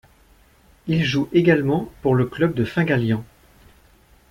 Il joue également pour le club de Fingallians.